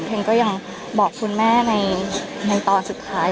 ก็ยังบอกคุณแม่ในตอนสุดท้าย